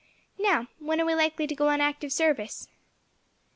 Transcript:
"Now, when are we likely to go on active service?"